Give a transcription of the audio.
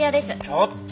ちょっと！